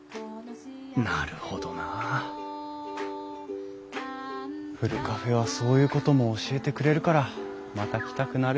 なるほどなあふるカフェはそういうことも教えてくれるからまた来たくなる。